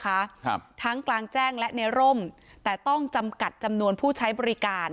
ครับทั้งกลางแจ้งและในร่มแต่ต้องจำกัดจำนวนผู้ใช้บริการ